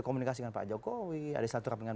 komunikasi dengan pak jokowi ada silaturahmi dengan